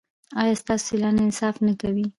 ایا ستاسو سیالان انصاف نه کوي؟